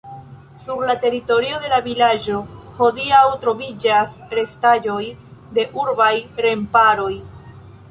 Sur la teritorio de la vilaĝo hodiaŭ troviĝas restaĵoj de urbaj remparoj.